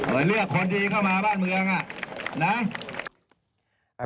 เป็นเรือกคนดีเข้ามาบ้านเมืองนะ